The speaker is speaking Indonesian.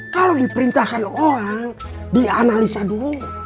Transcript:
kalau diperintahkan orang dianalisa dulu